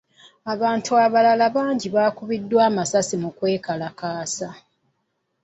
Abantu abalala bangi baakubibwa amasasi mu kwekalakasa.